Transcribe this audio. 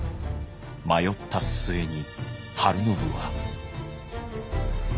迷った末に晴信は。